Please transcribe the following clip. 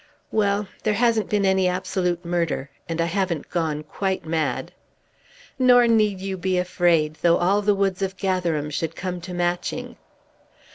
Well, there hasn't been any absolute murder, and I haven't quite gone mad." "Nor need you be afraid, though all the woods of Gatherum should come to Matching."